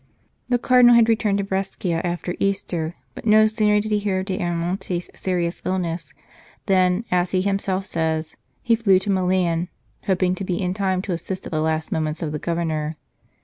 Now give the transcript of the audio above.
The Cardinal had returned to Brescia after Easter, but no sooner did he hear of D Ayamonte s serious illness, than, as he himself says, he flew to Milan, hoping to be in time to assist at the last moments of the Governor.